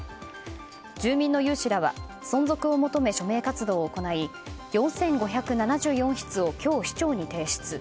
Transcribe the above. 住民の有志らは存続を求め署名活動を行い４５７４筆を今日市長に提出。